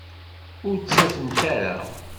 Ur t-ttafent ara.